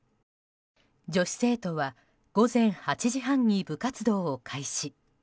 女子生徒は午前８時半に部活動を開始。